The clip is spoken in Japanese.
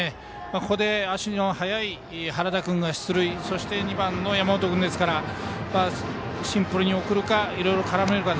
ここで足の速い原田君が出塁そして、２番の山本君ですからシンプルに送るかいろいろ絡めるか。